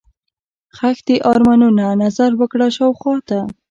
ښخ دي ارمانونه، نظر وکړه شاوخواته